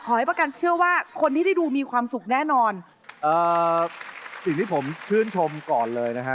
ให้ประกันเชื่อว่าคนที่ได้ดูมีความสุขแน่นอนเอ่อสิ่งที่ผมชื่นชมก่อนเลยนะฮะ